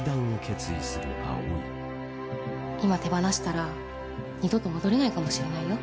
今手放したら二度と戻れないかもしれないよ？